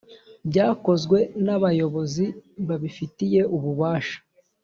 byakozwe n’abayobozi babifitiye ububasha